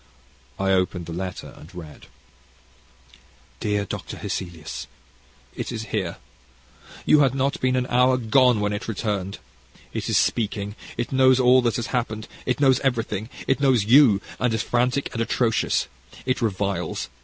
I opened the letter and read: DEAR DR. HESSELIUS. It is here. You had not been an hour gone when it returned. It is speaking. It knows all that has happened. It knows everything it knows you, and is frantic and atrocious. It reviles.